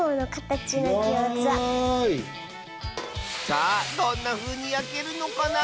さあどんなふうにやけるのかな？